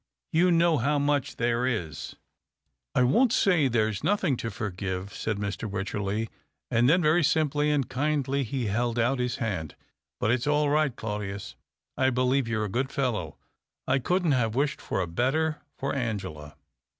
You know how^ much there is." " I won't say there's nothing to forgive," said Mr. Wycherley. And then very simply and kindly he held out his hand. "But it's all right, Claudius. I believe you're a good fellow — I couldn't have wished for a better for Angela.